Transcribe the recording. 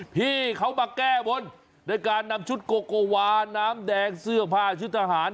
พี่เขามาแก้บนด้วยการนำชุดโกโกวาน้ำแดงเสื้อผ้าชุดทหาร